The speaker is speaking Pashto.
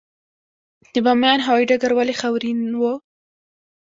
د بامیان هوايي ډګر ولې خاورین و؟